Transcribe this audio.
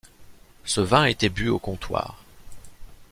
Ce vin était bu au comptoir.